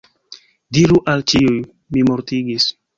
Diru al ĉiuj “mi mortigis”.